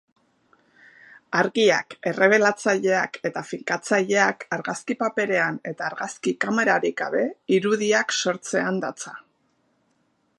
Argiak, errebelatzaileak eta finkatzaileak argazki-paperean eta argazki-kamerarik gabe irudiak sortzean datza.